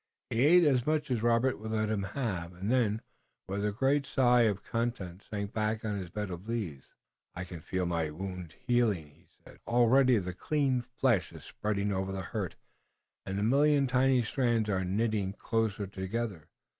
He ate as much as Robert would let him have, and then, with a great sigh of content, sank back on his bed of leaves. "I can feel my wound healing," he said. "Already the clean flesh is spreading over the hurt and the million tiny strands are knitting closely together.